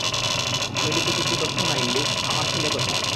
আমি লুকোচুরিতে দক্ষ না ইংলিশ, আমার ছেলে কোথায়?